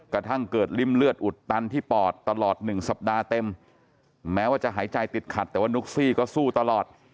กระทั่งเกิดริ่มเลือดอุดตันที่ปอดตลอด๑สัปดาห์เต็มแม้ว่าจะหายใจติดขัดแต่ว่านุ๊กซี่ก็สู้ตลอด